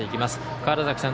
川原崎さん